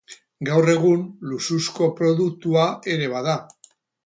Gaur egun, luxuzko produktua ere bada.